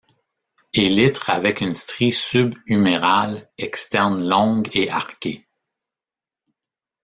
Élytre avec une strie sub-humérale externe longue et arquée.